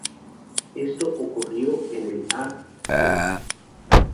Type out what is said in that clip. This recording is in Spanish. Esto ocurrió en el a. v.